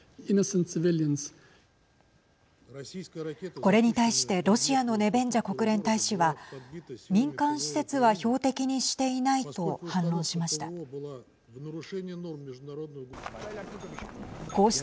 これに対してロシアのネベンジャ国連大使は民間施設は標的にしていないと反論しました。